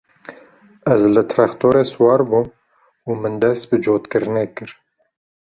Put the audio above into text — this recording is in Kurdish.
Ez li trextorê siwar bûm û min dest bi cotkirinê kir.